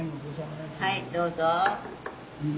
はいどうぞ。